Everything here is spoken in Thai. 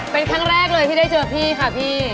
เป็นครั้งแรกเลยที่ได้เจอพี่ค่ะพี่